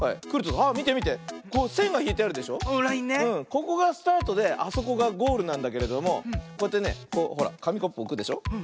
ここがスタートであそこがゴールなんだけれどもこうやってねこうほらかみコップおくでしょ。